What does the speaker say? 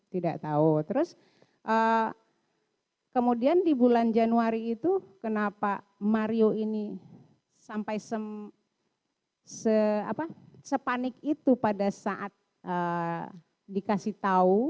tidak tahu terus kemudian di bulan januari itu kenapa mario ini sampai sepanik itu pada saat dikasih tahu